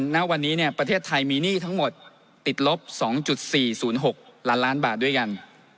ณวันนี้ประเทศไทยมีหนี้ทั้งหมดติดลบ๒๔๐๖ล้านล้านบาทด้วยกัน